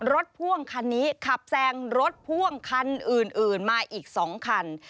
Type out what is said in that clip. พ่วงคันนี้ขับแซงรถพ่วงคันอื่นมาอีก๒คัน